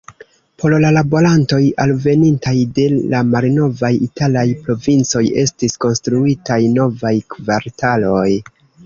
Por la laborantoj alvenintaj de la malnovaj italaj provincoj estis konstruitaj novaj kvartaloj.